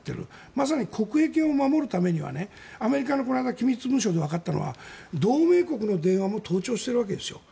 まさに国益を守るためにはアメリカのこの間機密文書でわかったのは同盟国の電話も盗聴しているわけですよ。